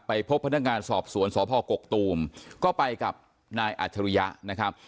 พบพนักงานสอบสวนสพกกตูมก็ไปกับนายอัจฉริยะนะครับ